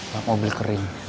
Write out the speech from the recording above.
lama mobil kering